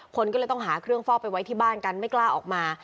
คนก็เลยต้องหาเครื่องฟอกไปไว้ที่บ้านกันไม่กล้าออกมา